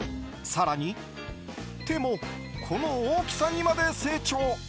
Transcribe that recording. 更に、手もこの大きさにまで成長。